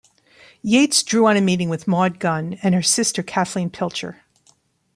Yeats drew on a meeting with Maud Gonne and her sister Kathleen Pilcher.